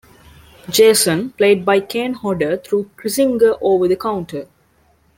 Jason, played by Kane Hodder, threw Kirzinger over the counter.